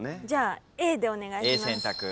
じゃあＡでお願いします。